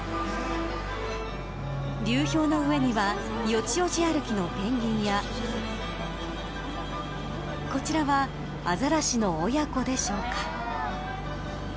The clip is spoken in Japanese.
流氷の上にはよちよち歩きのペンギンやこちらはアザラシの親子でしょうか。